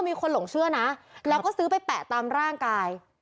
มีคนหลงเชื่อนะแล้วก็ซื้อไปแปะตามร่างกาย